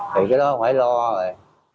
thì cái đó phải lo rồi